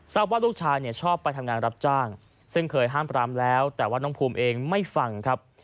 ว่าลูกชายเนี่ยชอบไปทำงานรับจ้างซึ่งเคยห้ามปรามแล้วแต่ว่าน้องภูมิเองไม่ฟังครับ